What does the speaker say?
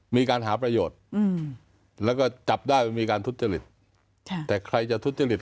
มีการหาประโยชน์แล้วก็จับได้ว่ามีการทุจริตแต่ใครจะทุจริต